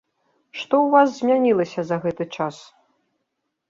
Што ў вас змянілася за гэты час?